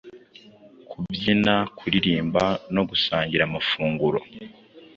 kubyina, kuririmba no gusangira amafunguro.